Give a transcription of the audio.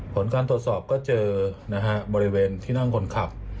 ผลการตรวจสอบก็เจอนะฮะบริเวณที่นั่งคนขับ